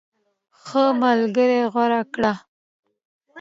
ښه ملګری غوره کړه.